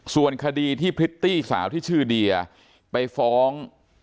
ส่วนคดีที่พริตตี้สาวที่ชื่อเดียไปฟ้อง